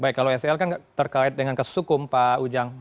baik kalau sel kan terkait dengan kesukum pak ujang